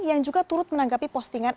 yang juga turut menanggapi postingan